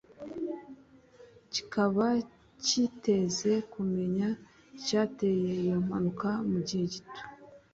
kikaba cyiteze kumenya icyateye iyo mpanuka mu gihe gito